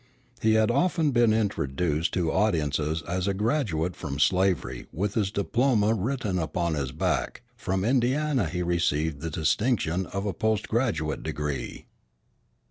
He had often been introduced to audiences as "a graduate from slavery with his diploma written upon his back": from Indiana he received the distinction of a post graduate degree.